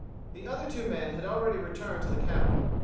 The other two men had already returned to the cabin.